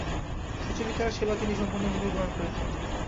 সুচরিতার সেবা তিনি সম্পূর্ণভাবেই গ্রহণ করিলেন।